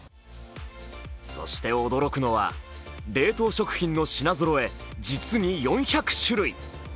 そして、驚くのは冷凍食品の品ぞろえ、実に４００種類。